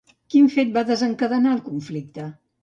Quin fet va desencadenar el conflicte?